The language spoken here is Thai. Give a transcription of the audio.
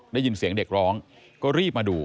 ได้ยินเสียงเด็กร้องก็รีบมาดู